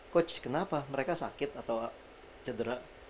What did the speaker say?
coach kenapa mereka sakit atau cedera